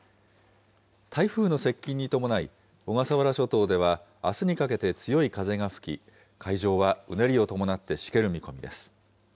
台風の接近に伴い、小笠原諸島ではあすにかけて強い風が吹き、海上はうねりを伴ってしける見込みです。